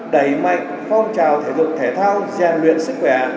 đẩy mạnh phong trào thể dục thể thao rèn luyện sức khỏe